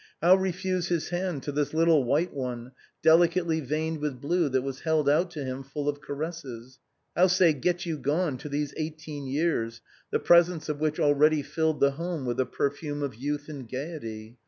How re fuse his hand to this little white one, delicately veined with blue, that was held out to him full of caresses ? How say " Get you gone " to these eighteen years, the pres ence of which already filled the home with a perfume of youth and gaiety